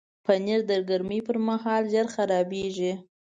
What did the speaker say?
پنېر د ګرمۍ پر مهال ژر خرابیږي.